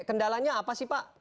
kendalanya apa sih pak